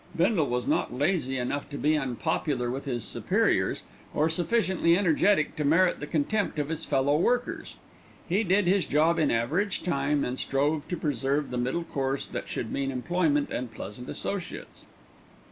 Bindle was not lazy enough to be unpopular with his superiors, or sufficiently energetic to merit the contempt of his fellow workers. He did his job in average time, and strove to preserve the middle course that should mean employment and pleasant associates.